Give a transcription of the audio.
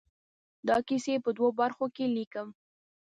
دا کیسې په دوو برخو کې ليکم.